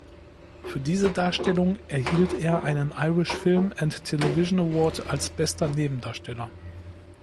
Für diese Darstellung erhielt er einen Irish Film and Television Award als Bester Nebendarsteller.